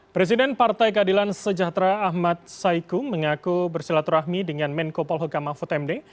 presiden partai keadilan sejahtera ahmad saiku mengaku bersilaturahmi dengan menko polhugama futemde